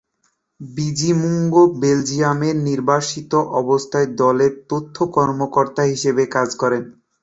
Bizimungu বেলজিয়ামে নির্বাসিত অবস্থায় দলের তথ্য কর্মকর্তা হিসেবে কাজ করেন।